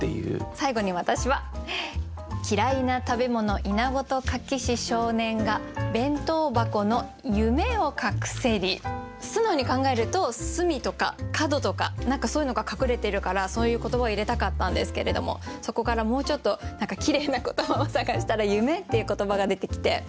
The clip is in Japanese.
最後に私は素直に考えると「隅」とか「角」とか何かそういうのが隠れてるからそういう言葉を入れたかったんですけれどもそこからもうちょっときれいな言葉を探したら「夢」っていう言葉が出てきて。